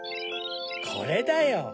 これだよ。